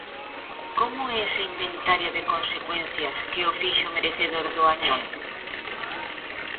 Como é ese Inventario de consecuencias que o fixo merecedor do Añón?